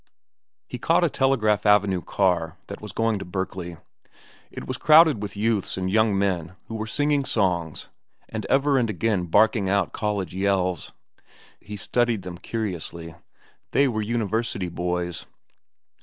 He caught a Telegraph Avenue car that was going to Berkeley. It was crowded with youths and young men who were singing songs and ever and again barking out college yells. He studied them curiously. They were university boys.